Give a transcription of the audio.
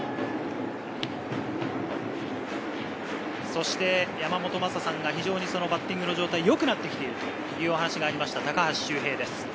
そして山本さんが非常にバッティングの状態が良くなっているという話があった高橋周平です。